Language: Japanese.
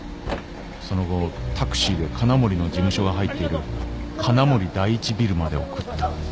その後タクシーで金森の事務所が入っている金森第一ビルまで送った。